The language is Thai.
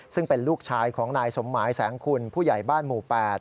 ซึ่งเป็นลูกชายของนายสมหมายแสงคุณผู้ใหญ่บ้านหมู่๘